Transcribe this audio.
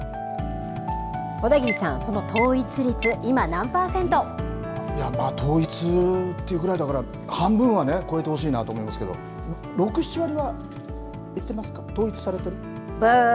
小田切さん、統一っていうぐらいだから、半分はね、超えてほしいなと思いますけど、６、７割はいってますぶー。